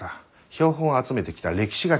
標本を集めてきた歴史が違う。